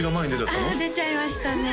ああ出ちゃいましたね